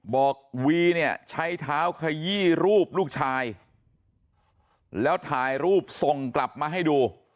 วีเนี่ยใช้เท้าขยี้รูปลูกชายแล้วถ่ายรูปส่งกลับมาให้ดู